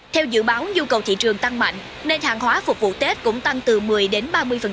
theo dự báo nhu cầu thị trường tăng mạnh nên hàng hóa phục vụ tết cũng tăng từ một mươi đến ba mươi